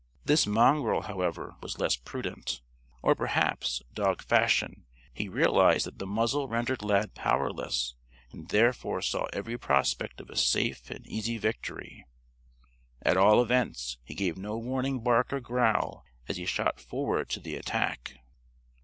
This mongrel, however, was less prudent. Or, perhaps, dog fashion, he realized that the muzzle rendered Lad powerless and therefore saw every prospect of a safe and easy victory. At all events, he gave no warning bark or growl as he shot forward to the attack.